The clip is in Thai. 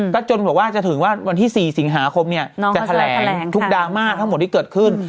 ก็จนบอกว่าจะถึงว่าวันที่๔สิงหาคมเนี่ยจะแถลงทุกดราม่าทั้งหมดที่เกิดขึ้น